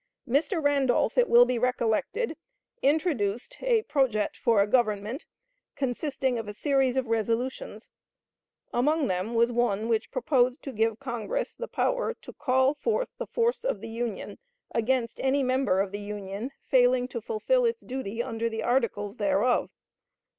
Mr. Randolph, it will be recollected, introduced a projet for a Government, consisting of a series of resolutions. Among them was one which proposed to give Congress the power "to call forth the force of the Union against any member of the Union failing to fulfill its duty under the articles thereof."